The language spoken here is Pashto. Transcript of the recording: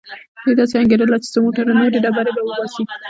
دوی داسې انګېرله چې څو موټره نورې ډبرې به وباسي.